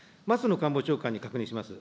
官房長官に確認します。